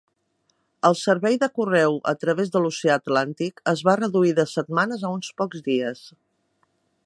El servei de correu a través de l'Oceà Atlàntic es va reduir de setmanes a uns pocs dies.